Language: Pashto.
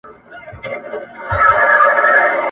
لمبه پر سر درته درځم جانانه هېر مي نه کې !.